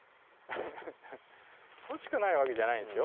フフフッ欲しくないわけじゃないんですよ。